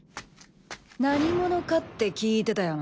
何者かって聞いてたよな。